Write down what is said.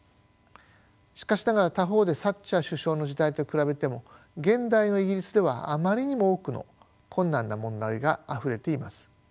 しかしながら他方でサッチャー首相の時代と比べても現代のイギリスではあまりにも多くの困難な問題があふれています。